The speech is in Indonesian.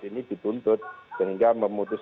ini dituntut sehingga memutus